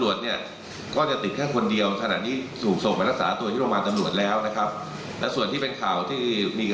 ตรงนี้ก็ฝากบางคนที่ไปลงข่าวและไปลือต่าง